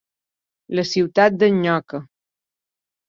La ciutat d'en Nyoca.